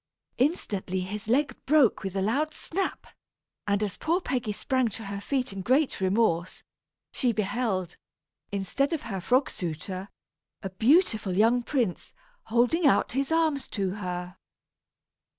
Instantly his leg broke with a loud snap; and, as poor Peggy sprang to her feet in great remorse, she beheld, instead of her frog suitor, a beautiful young prince, holding out his arms to her!